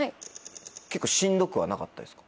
結構しんどくはなかったですか？